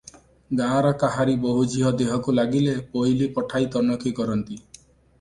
ଗାଁର କାହାରି ବୋହୂଝିଅ ଦେହକୁ ଲାଗିଲେ ପୋଇଲି ପଠାଇ ତନଖି କରନ୍ତି ।